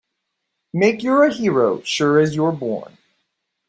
Make you're a hero sure as you're born!